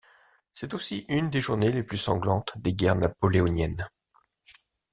C’est aussi une des journées les plus sanglantes des guerres napoléoniennes.